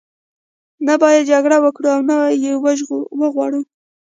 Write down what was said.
نه باید جګړه وکړو او نه یې وغواړو.